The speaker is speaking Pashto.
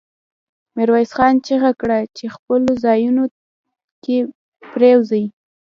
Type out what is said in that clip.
ميرويس خان چيغه کړه! په خپلو ځايونو کې پرېوځي.